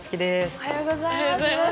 おはようございます。